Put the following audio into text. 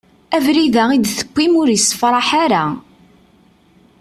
Abrid-a i d-tewwim ur issefraḥ ara.